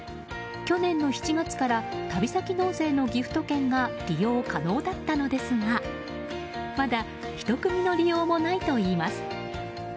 去年の７月から旅先納税のギフト券が利用可能だったのですがまだ、ひと組の利用もないといいます。